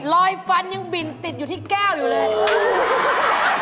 รอยฟันยังบินติดอยู่ที่แก้วอยู่เลย